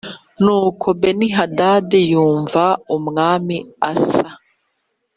Nuko Benihadadi yumvira Umwami Asa